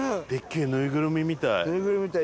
ぬいぐるみみたい。